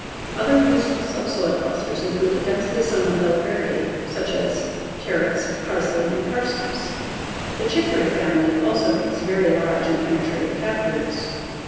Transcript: Other useful subsoil busters include densely sown Umbelliferae such as carrots, parsley, and parsnip. The chicory family also makes very large and penetrating taproots.